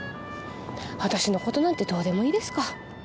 私のことなんてどうでもいいですか。